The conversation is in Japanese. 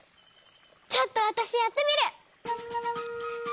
ちょっとわたしやってみる！